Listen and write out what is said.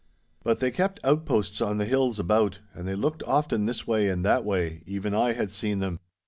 But they kept outposts on the hills about, and they looked often this way and that way—even I had seen them.